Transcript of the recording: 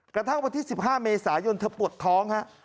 กระทั่งวันที่๑๕เมษายนเธอปวดท้องฮะ